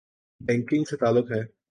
Banking سے تعلق ہے۔